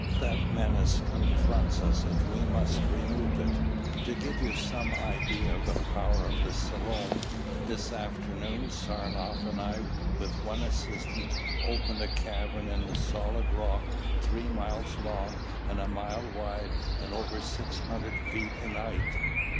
That menace confronts us and we must remove it. To give you some idea of the power of the Selom, this afternoon Saranoff and I with one assistant opened a cavern in the solid rock three miles long and a mile wide and over six hundred feet in height."